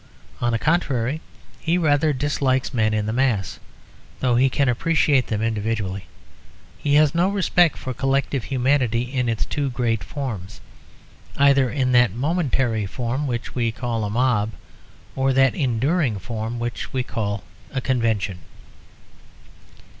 On the contrary, he rather dislikes men in the mass, though he can appreciate them individually. He has no respect for collective humanity in its two great forms; either in that momentary form which we call a mob, or in that enduring form which we call a convention.